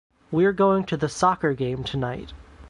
We’re going to the soccer game tonight.